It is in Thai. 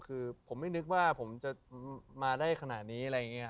คือผมไม่นึกว่าผมจะมาได้ขนาดนี้อะไรอย่างนี้